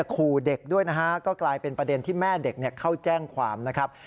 ขู่เด็กด้วยนะฮะก็กลายเป็นประเด็นที่แม่เด็กเข้าแจ้งความนะครับ